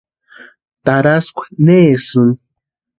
¿Tarhaskwa nesïni?